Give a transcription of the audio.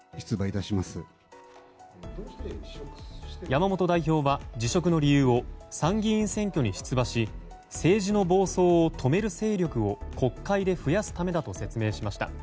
山本代表は辞職の理由を参議院選挙に出馬し政治の暴走を止める勢力を国会で増やすためだと説明しました。